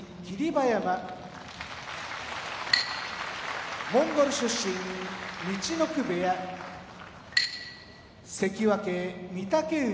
馬山モンゴル出身陸奥部屋関脇・御嶽海